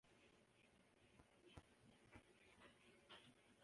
Tata, sir Jamsetji বোম্বাইয়ের প্রসিদ্ধ ধনকুবের।